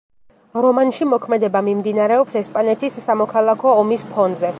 რომანში მოქმედება მიმდინარეობს ესპანეთის სამოქალაქო ომის ფონზე.